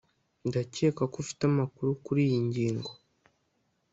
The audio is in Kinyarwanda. ndakeka ko ufite amakuru kuriyi ngingo